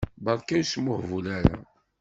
Berka, ur smuhbul ara.